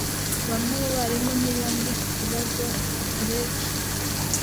Bamwe mu barimu ntibumva iki kibazo gleki